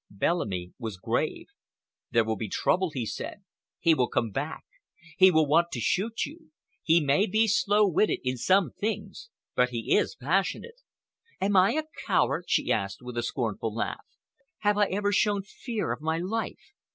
Bellamy was grave. "There will be trouble," he said. "He will come back. He will want to shoot you. He may be slow witted in some things, but he is passionate." "Am I a coward?" she asked, with a scornful laugh. "Have I ever shown fear of my life?